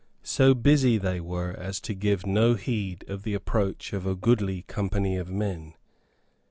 So busy they were as to give no heed of the approach of a goodly company of men.